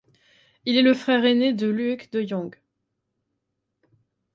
Il est le frère aîné de Luuk de Jong.